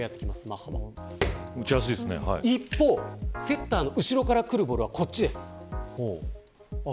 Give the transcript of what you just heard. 一方、セッターの後ろからくるボールはこっちです。